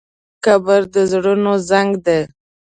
قبر د زړونو زنګ دی.